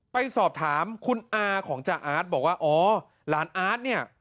ไปสอบถามคุณอาของจ้าอาร์ตบอกว่าอ๋อหลานอาร์ตเนี่ย